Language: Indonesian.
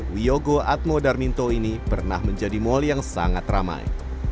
wiyogo atmo darminto ini pernah menjadi mal yang sangat ramai